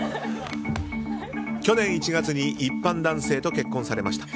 去年１月に一般男性と結婚されました。